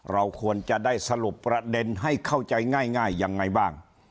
เราควรจะได้สรุปประเด็นให้เข้าใจง่ายยังไงบ้าง